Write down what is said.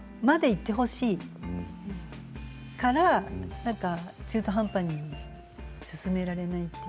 いってほしいからなんか中途半端にすすめられない。